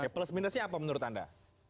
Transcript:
plus minusnya apa menurut anda